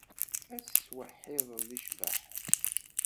Ad ttweḥḥideɣ di ccbaḥa-s.